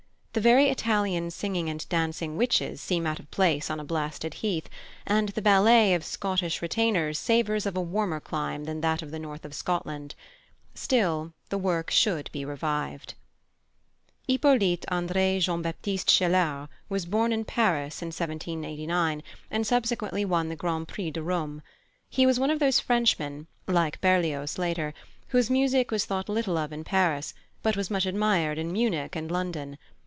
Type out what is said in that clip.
The very Italian singing and dancing witches seem out of place on a blasted heath, and the ballet of Scottish retainers savours of a warmer clime than that of the North of Scotland. Still, the work should be revived. +Hippolyte André Jean Baptiste Chelard+ was born in Paris in 1789, and subsequently won the Grand Prix de Rome. He was one of those Frenchmen, like Berlioz later, whose music was thought little of in Paris but was much admired in Munich and London.